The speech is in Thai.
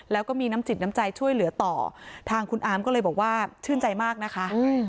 แล้วก็มีน้ำจิตน้ำใจช่วยเหลือต่อทางคุณอาร์มก็เลยบอกว่าชื่นใจมากนะคะ